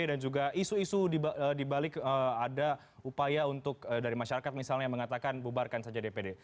dan juga isu isu dibalik ada upaya untuk dari masyarakat misalnya yang mengatakan bubarkan saja dpd